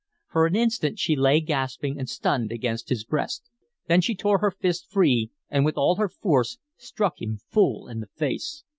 For an instant she lay gasping and stunned against his breast, then she tore her fist free and, with all her force, struck him full in the face.